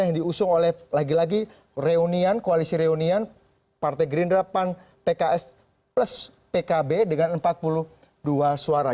yang diusung oleh lagi lagi reunian koalisi reunian partai gerindra pan pks plus pkb dengan empat puluh dua suara